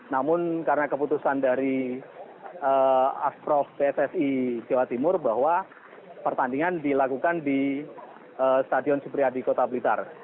namun karena keputusan dari asprof pssi jawa timur bahwa pertandingan dilakukan di stadion supriyadi kota blitar